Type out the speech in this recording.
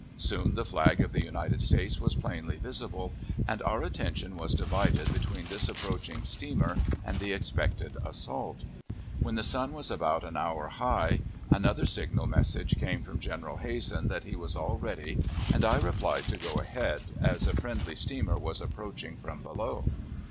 Soon the flag of the United States was plainly visible, and our attention was divided between this approaching steamer and the expected assault. When the sun was about an hour high, another signal message came from General Hazen that he was all ready, and I replied to go ahead, as a friendly steamer was approaching from below.